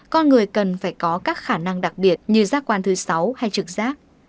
con người cần phải có các khả năng đặc biệt như giác quan thứ sáu hay trực rác